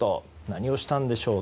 何をしたんでしょう。